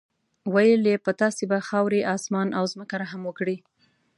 ویل یې په تاسې به خاورې، اسمان او ځمکه رحم وکړي.